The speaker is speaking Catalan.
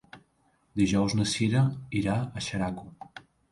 Dijous na Cira irà a Xeraco.